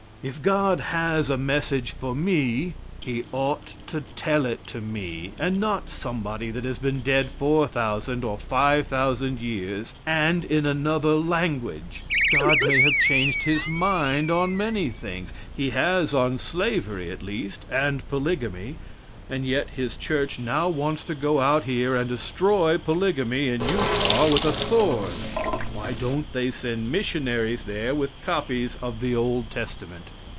If God has a message for me He ought to tell it to me, and not somebody that has been dead 4,000 or 5,000 years, and in another language; God may have changed His mind on many things; He has on slavery at least, and polygamy; and yet His church now wants to go out here and destroy polygamy in Utah with a sword. Why don't they send missionaries there with copies of the old testament?